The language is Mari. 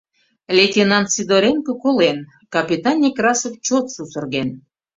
Лейтенант Сидоренко колен, капитан Некрасов чот сусырген.